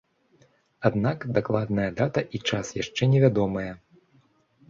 Аднак дакладная дата і час яшчэ невядомыя.